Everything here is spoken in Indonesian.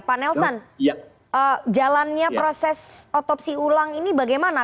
pak nelson jalannya proses otopsi ulang ini bagaimana